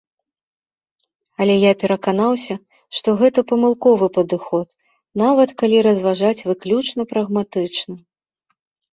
Але я пераканаўся, што гэта памылковы падыход, нават калі разважаць выключна прагматычна.